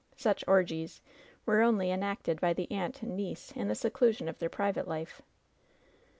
Such "orgies" were only enacted by the aunt and niece in the seclusion of their private life.